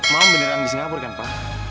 mama beneran di singapura kan pa